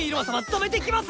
止めてきます！